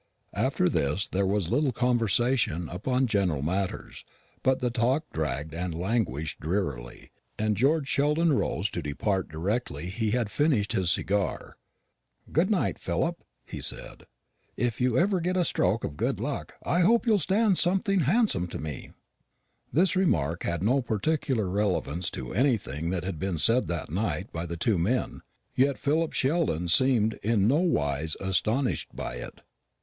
After this there was a little conversation upon general matters, but the talk dragged and languished drearily, and George Sheldon rose to depart directly he had finished his cigar. "Good night, Philip!" he said; "if ever you get a stroke of good luck, I hope you'll stand something handsome to me." This remark had no particular relevance to anything that had been said that night by the two men; yet Philip Sheldon seemed in nowise astonished by it.